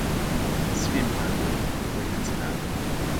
Sin embargo, fue cancelado.